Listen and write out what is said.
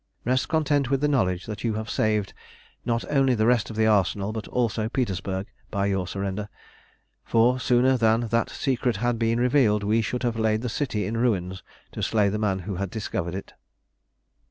Rest content with the knowledge that you have saved, not only the rest of the Arsenal, but also Petersburg, by your surrender; for sooner than that secret had been revealed, we should have laid the city in ruins to slay the man who had discovered it."